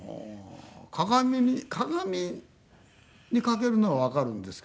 鏡に鏡にかけるのはわかるんですけどね。